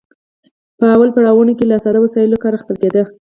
په لومړیو پړاوونو کې له ساده وسایلو کار اخیستل کیده.